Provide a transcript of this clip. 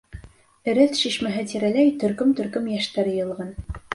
Эрәҫ шишмәһе тирәләй төркөм-төркөм йәштәр йыйылған.